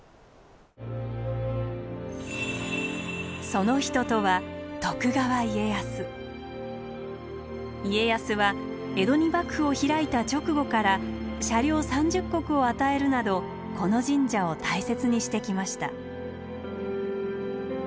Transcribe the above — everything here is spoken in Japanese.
その人とは家康は江戸に幕府を開いた直後から社領３０石を与えるなどこの神社を大切にしてきました。